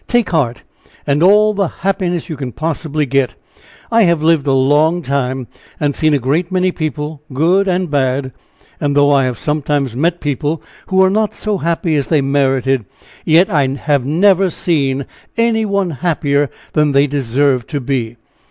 take heart, and all the happiness you can possibly get! I have lived a long time, and seen a great many people, good and bad, and though I have sometimes met people who were not so happy as they merited yet I never have seen any one happier than they deserved to be!